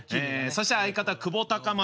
そして相方久保孝真。